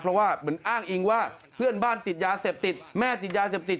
เพราะว่าเหมือนอ้างอิงว่าเพื่อนบ้านติดยาเสพติดแม่ติดยาเสพติด